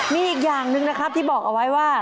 มีอีกอย่างหนึ่งนะครับที่บอกเอาไว้ว่า